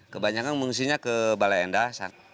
kebanyakan mengungsinya ke balendah